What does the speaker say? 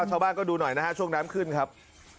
ชาวบ้านก็ดูหน่อยนะฮะช่วงน้ำขึ้นครับ